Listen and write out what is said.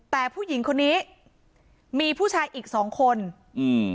แต่ผู้หญิงคนนี้มีผู้ชายอีกสองคนอืม